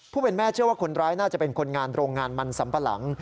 เป็นแม่เชื่อว่าคนร้ายน่าจะเป็นคนงานโรงงานมันสัมปะหลัง